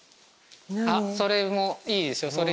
あっそれもいいですよ。